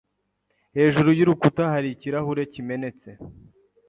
Hejuru y'urukuta hari ikirahure kimenetse